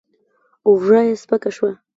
اوږه يې سپکه شوه.